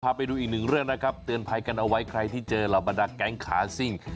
ไปดูอีกหนึ่งเรื่องนะครับเตือนภัยกันเอาไว้ใครที่เจอเหล่าบรรดาแก๊งขาซิ่ง